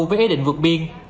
với ý định vượt biên